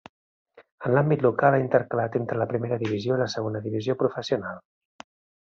En l'àmbit local, ha intercalat entre la Primera Divisió i la Segona Divisió Professional.